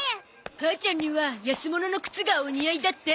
母ちゃんには安物の靴がお似合いだって。